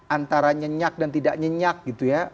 antara nyenyak dan tidak nyenyak gitu ya